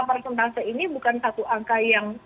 persentase ini bukan satu angka yang